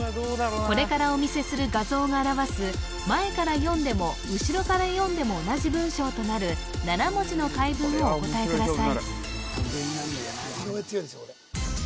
これからお見せする画像が表す前から読んでも後ろから読んでも同じ文章となる７文字の回文をお答えください